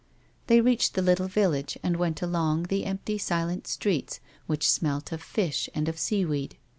They reached the little village and went along the empty, silent streets, which smelt of fish and of sea weed.